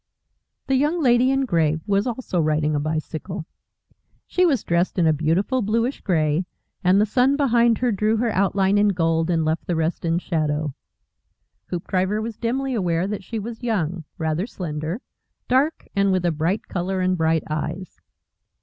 The Young Lady in Grey was also riding a bicycle. She was dressed in a beautiful bluish gray, and the sun behind her drew her outline in gold and left the rest in shadow. Hoopdriver was dimly aware that she was young, rather slender, dark, and with a bright colour and bright eyes.